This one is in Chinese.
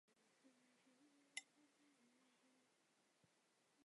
名字常被音译为金雪贤。